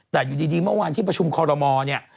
แต่อยู่ดีเมื่อวานที่ประชุมคอรมอลเนี่ย